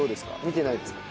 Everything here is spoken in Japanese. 見てないですか？